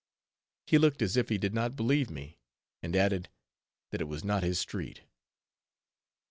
He looked as if he did not believe me, and added, that it was not his street.